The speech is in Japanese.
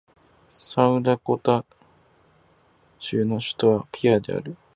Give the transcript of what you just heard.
サウスダコタ州の州都はピアである